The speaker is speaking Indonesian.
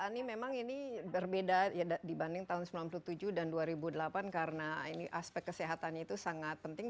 mbak ani memang ini berbeda dibanding tahun seribu sembilan ratus sembilan puluh tujuh dan dua ribu delapan karena aspek kesehatan itu sangat penting